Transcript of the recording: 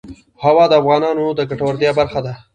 هوا د افغانانو د ګټورتیا برخه ده.